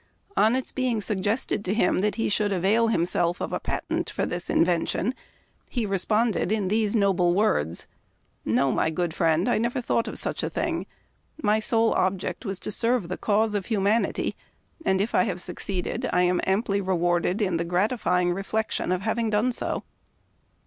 On its being sug gested to him that he should avail himself of a patent for this invention, he responded in these noble words :" No, my good friend, I never thought of such a thing ; my sole object was to serve the cause of humanity, and if I have succeeded, I am amply rewarded in the gratifying reflection of having done so."